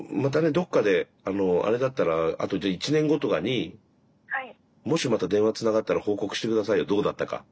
どっかであれだったらあとじゃあ１年後とかにもしまた電話つながったら報告して下さいよどうだったか。